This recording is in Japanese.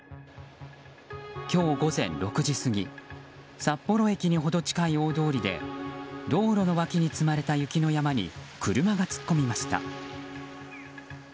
今日午前６時過ぎ札幌駅に程近い大通りで道路の脇に積まれた雪の山に車が突っ込みました。